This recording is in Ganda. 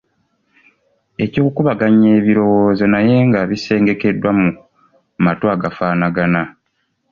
Eky'okukubaganya ebirowoozo naye nga bisengekeddwa mu matu agafaanagana.